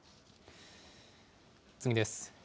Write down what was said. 次です。